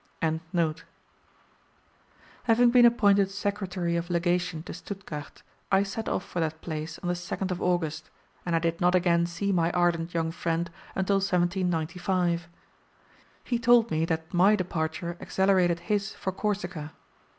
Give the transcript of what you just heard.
] Having been appointed Secretary of Legation to Stuttgart, I set off for that place on the 2d of August, and I did not again see my ardent young friend until 1795. He told me that my departure accelerated his for Corsica.